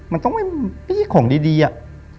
มันต้องมีพี่ของดีอะ